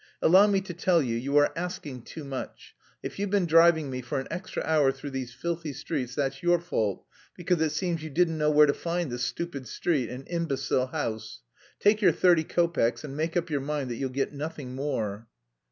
"Allow me to tell you, you are asking too much. If you've been driving me for an extra hour through these filthy streets, that's your fault, because it seems you didn't know where to find this stupid street and imbecile house. Take your thirty kopecks and make up your mind that you'll get nothing more."